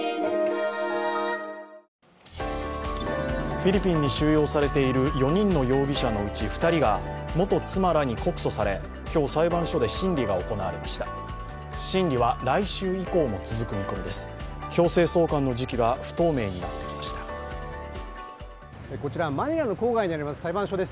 フィリピンに収容されている４人の容疑者のうち２人が元妻らに告訴され、今日、裁判所で審理が行われました審理は来週以降も続く見込みです。